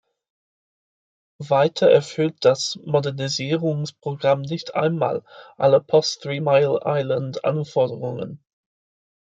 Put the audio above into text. Weiter erfüllt das Modernisierungsprogramm nicht einmal alle post-Three-Mile-Island -Anforderungen.